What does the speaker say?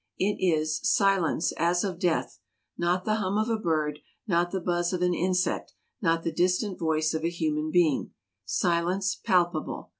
It is "silence, as of death ;" not the hum of a bird, not the buzz of an insect, not the distant voice of a human being. Silence palpable.